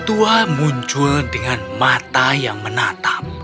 setelah itu peritua muncul dengan mata yang menatap